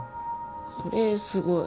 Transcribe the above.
これすごい。